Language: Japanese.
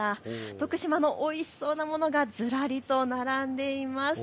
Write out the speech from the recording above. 徳島のおいしそうなものがずらりと並んでいます。